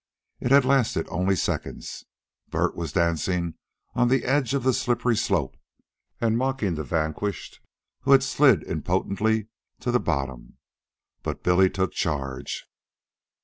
It had lasted only seconds, Bert was dancing on the edge of the slippery slope and mocking the vanquished who had slid impotently to the bottom. But Billy took charge.